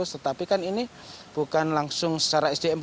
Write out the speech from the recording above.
tetapi kan ini bukan langsung secara sdm